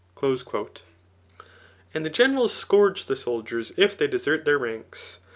* And the generals scourge the soldiers if they desert their ranks.